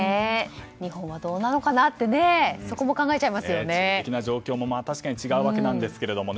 日本はどうなのかなって地理的な状況も確かに違うわけなんですが。